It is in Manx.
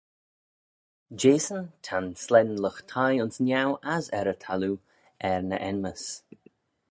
Jehsyn ta'n slane lught-thie ayns niau as er y thalloo er ny enmys.